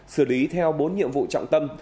xử lý theo bốn nhiệm vụ trọng tâm